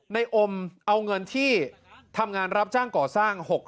อมเอาเงินที่ทำงานรับจ้างก่อสร้าง